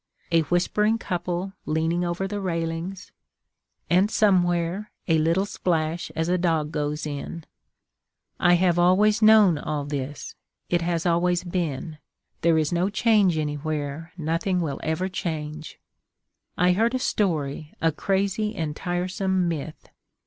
A whispering couple, leaning over the railings, And somewhere, a little splash as a dog goes in. I have always known all this, it has always been, There is no change anywhere, nothing will ever change. I heard a story, a crazy and tiresome myth.